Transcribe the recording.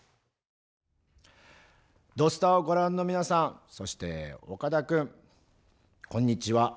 「土スタ」をご覧の皆さんそして岡田君、こんにちは。